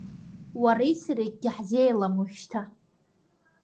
Уареи сареи акгьы ҳзеилам уажәшьҭа…